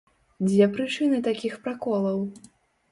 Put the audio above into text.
Дзе прычыны такіх праколаў?